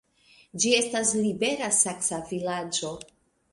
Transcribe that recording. Ĝi estis libera saksa vilaĝo.